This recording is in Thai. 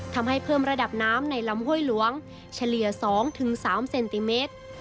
ทำให้เพิ่มระดับน้ำในลำห้วยหลวงเฉลี่ย๒๓เซนติเมตร